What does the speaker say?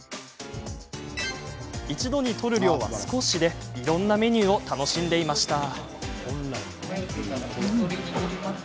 一度に取る量は少しでいろんなメニューを楽しんでいました。